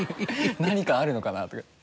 「何かあるのかな？」とか。